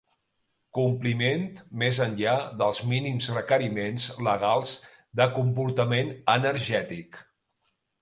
Compliment més enllà dels mínims requeriments legals de comportament energètic.